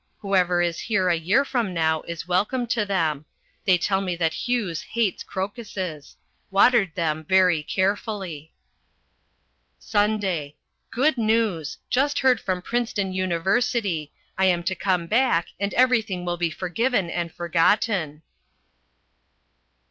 Whoever is here a year from now is welcome to them. They tell me that Hughes hates crocuses. Watered them very carefully. SUNDAY. Good news! Just heard from Princeton University. I am to come back, and everything will be forgiven and forgotten.